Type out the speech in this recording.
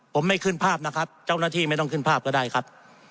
ผมไม่ขึ้นภาพนะครับเจ้าหน้าที่ไม่ต้องขึ้นภาพก็ได้ครับ